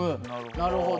なるほど。